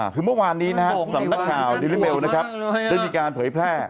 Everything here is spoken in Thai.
คือเมื่อวานนี้นะฮะสำนักข่าวดิริเมลนะครับได้มีการเผยแพร่